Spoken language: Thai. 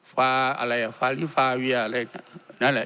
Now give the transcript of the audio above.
ฟาวียอะไร